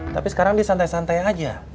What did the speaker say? tapi sekarang ini santai santai aja